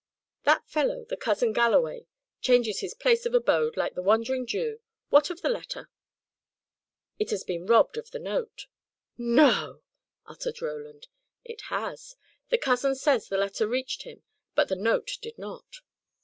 That fellow, the cousin Galloway, changes his place of abode like the Wandering Jew. What of the letter?" "It has been robbed of the note." "No!" uttered Roland. "It has. The cousin says the letter reached him, but the note did not.